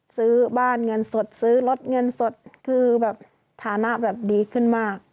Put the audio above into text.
ซื้อบ้านเงินสดซื้อรถเงินสดคือแบบฐานะแบบดีขึ้นมาก